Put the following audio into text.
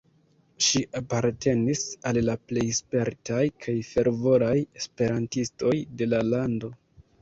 Ŝi apartenis al la plej spertaj kaj fervoraj esperantistoj de la lando".